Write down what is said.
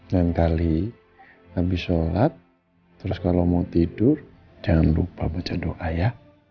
dan kali habis sholat terus kalau mau tidur jangan lupa baca doa ya